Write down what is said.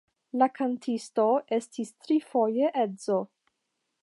La kantisto estis trifoje edzo.